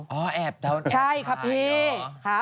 อ๋อแอบดาวน์แอบไทยเหรอใช่ครับพี่